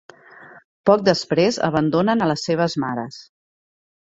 Poc després abandonen a les seves mares.